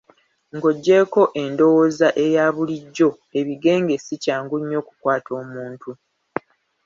Ng'oggyeeko endowooza eya bulijjo, ebigenge si kyangu nnyo kukwata muntu